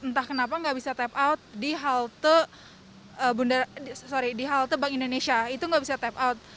entah kenapa nggak bisa tap out di halte bank indonesia itu nggak bisa tap out